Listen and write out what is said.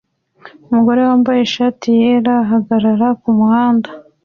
Umugore wambaye ishati yera ahagarara kumuhanda